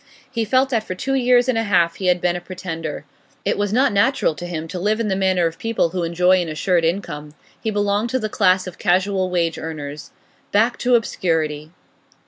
He felt that for two years and a half he had been a pretender. It was not natural to him to live in the manner of people who enjoy an assured income; he belonged to the class of casual wage earners. Back to obscurity!